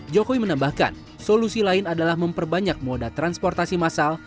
jokowi menambahkan solusi lain adalah memperbanyak moda transportasi masal